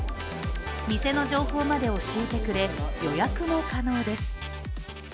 店の情報まで教えてくれ、予約も可能です。